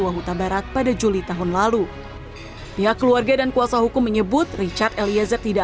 wahuta barat pada juli tahun lalu pihak keluarga dan kuasa hukum menyebut richard eliezer tidak